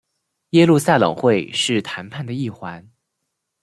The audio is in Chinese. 耶路撒冷会是谈判的一环。